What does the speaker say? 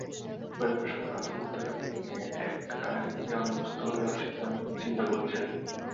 পরিবারের সবাই আতঙ্কিত হয়ে রোগীকে একা রেখেই অন্যত্র চলে যাওয়ার চিন্তা করছে।